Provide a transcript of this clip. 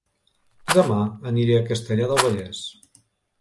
Dema aniré a Castellar del Vallès